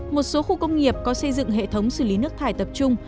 một số khu công nghiệp có xây dựng hệ thống xử lý nước thải tập trung